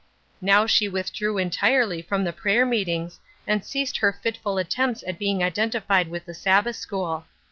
Now she withdrew entirely from the prayer meetings, and ceased her fitful attempts at being identified with the Sabbath school.